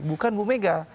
bukan bu mega